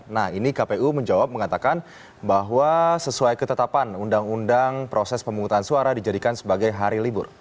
nah ini kpu menjawab mengatakan bahwa sesuai ketetapan undang undang proses pemungutan suara dijadikan sebagai hari libur